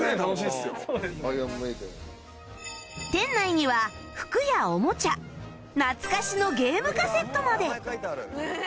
店内には服やおもちゃ懐かしのゲームカセットまで